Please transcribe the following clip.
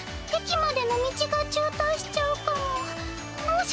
駅までの道が渋滞しちゃうかも。